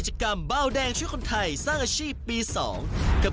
อย่าพลาดนะพี่น้องเพราะผู้โชคดีคนนั้นอาจเป็นคุณ